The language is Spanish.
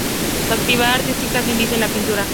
Su actividad artística se inicia en la pintura.